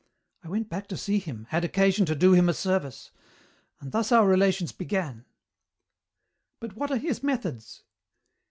I went back to see him, had occasion to do him a service; and thus our relations began." "But what are his methods?"